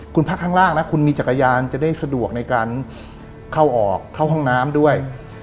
คุณพักข้างล่างนะคุณมีจักรยานจะได้สะดวกในการเข้าออกเข้าห้องน้ำด้วย